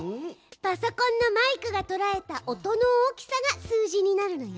パソコンのマイクがとらえた音の大きさが数字になるのよ。